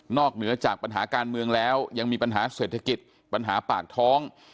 เหนือจากปัญหาการเมืองแล้วยังมีปัญหาเศรษฐกิจปัญหาปากท้อง